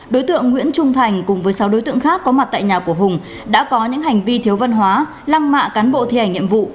đối tượng nguyễn trung thành cùng với sáu đối tượng khác có mặt tại nhà của hùng đã có những hành vi thiếu văn hóa lăng mạ cán bộ thi hành nhiệm vụ